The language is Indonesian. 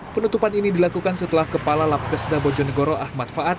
penutupan ini dilakukan setelah kepala lapkesda bojonegoro ahmad faad